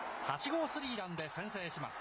８号スリーランで先制します。